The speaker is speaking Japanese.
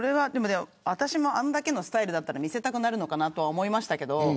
私もあれだけのスタイルだったら見せたくなるのかなと思いましたけど。